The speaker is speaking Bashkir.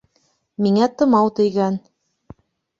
Миңә тымау тейгән